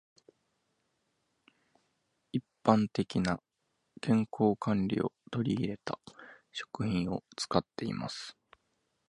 一般的な健康管理を取り入れた食品を使っています。